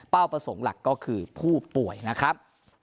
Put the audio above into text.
ประสงค์หลักก็คือผู้ป่วยนะครับ